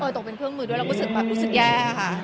ตกเป็นเครื่องมือด้วยเราก็รู้สึกแย่